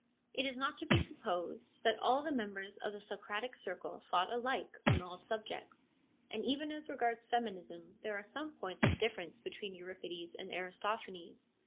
It is not to be supposed that all the members of the Socratic Circle thought alike on all subjects, and even as regards feminism there are some points of difference between Euripides and Aristophanes.